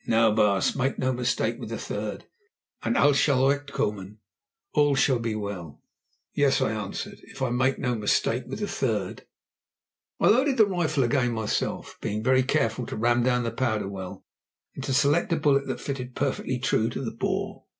"Now, baas, make no mistake with the third, and 'als sall recht kommen' (all shall be well)." "Yes," I answered; "if I make no mistake with the third." I loaded the rifle again myself, being very careful to ram down the powder well and to select a bullet that fitted perfectly true to the bore.